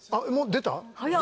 出た。